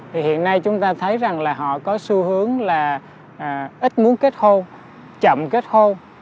thì hiện nay chúng ta thấy rằng là họ có xu hướng là ít muốn kết khô chậm kết hôn